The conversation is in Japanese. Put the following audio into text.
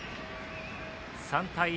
３対１。